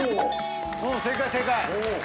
「正解正解」